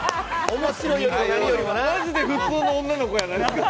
マジで普通の女の子やな。